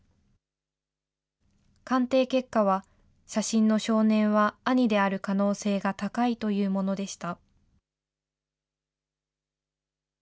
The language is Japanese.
鑑定結果は、写真の少年は兄である可能性が高いというものでした。